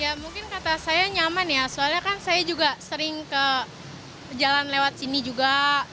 ya mungkin kata saya nyaman ya soalnya kan saya juga sering ke jalan lewat sini juga